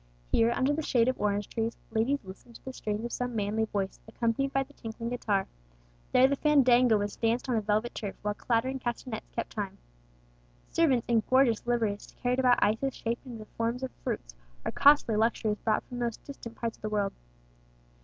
Here, under the shade of orange trees, ladies listened to the strains of some manly voice, accompanied by the tinkling guitar. There the fandango was danced on the velvet turf, while clattering castanets kept time. Servants in gorgeous liveries carried about ices shaped into the forms of fruits, or costly luxuries brought from the most distant parts of the world.